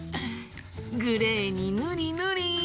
グレーにぬりぬり。